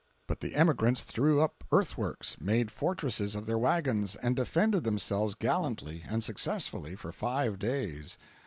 But the emigrants threw up earthworks, made fortresses of their wagons and defended themselves gallantly and successfully for five days!